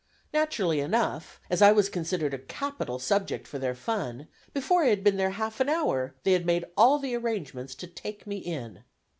Naturally enough, as I was considered a capital subject for their fun, before I had been there half an hour they had made all the arrangements to take me in.